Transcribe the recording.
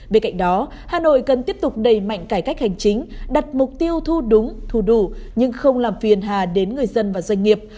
bên cạnh đó hà nội cần tiếp tục đầy mạnh cải cách hành chính đặt mục tiêu thu đúng thu đủ nhưng không làm phiền hà đến người dân và doanh nghiệp